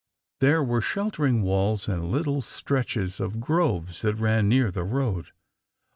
There were sheltering walls and little stretches of groves that ran near the road.